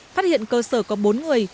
phát hiện cơ sở có bốn người